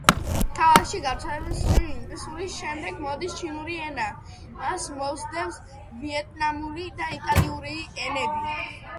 ქალაქში გავრცელების მხრივ ინგლისურის შემდეგ მოდის ჩინური ენა, მას მოსდევს ვიეტნამური და იტალიური ენები.